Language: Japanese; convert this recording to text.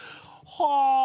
はあ。